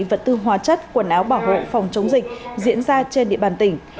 vật tư hóa chất quần áo bảo hộ phòng chống dịch diễn ra trên địa bàn tỉnh